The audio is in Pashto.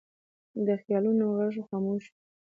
د خیالونو غږ خاموش وي